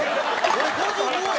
俺５５や。